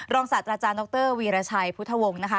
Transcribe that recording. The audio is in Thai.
รองศัตริย์อาจารย์น็อคเตอร์วีรชัยพุทธวงศ์นะคะ